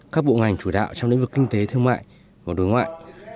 các bộ ngành chủ đạo trong lĩnh vực kinh tế thương mại và đối ngoại